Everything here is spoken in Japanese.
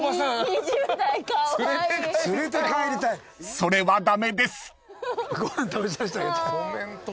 ［それは駄目です］